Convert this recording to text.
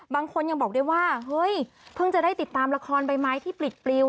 บางคนยังบอกได้ว่าเฮ้ยเพิ่งจะได้ติดตามละครใบไม้ที่ปลิดปลิว